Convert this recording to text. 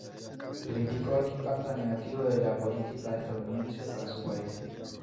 Criticó el impacto negativo de la política estadounidense para su país.